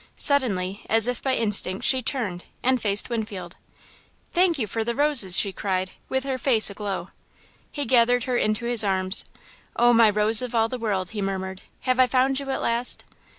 Suddenly, as if by instinct, she turned and faced Winfield. "Thank you for the roses," she cried, with her face aglow. He gathered her into his arms. "Oh, my Rose of All the World," he murmured, "have I found you at last?"